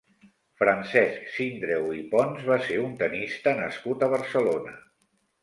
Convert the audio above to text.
Francesc Sindreu i Pons va ser un tennista nascut a Barcelona.